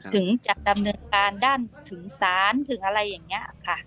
ถึงจะดำเนินการด้านถึงศาลถึงอะไรอย่างนี้ค่ะ